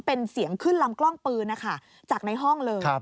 เป็นเสียงขึ้นลำกล้องปืนนะคะจากในห้องเลย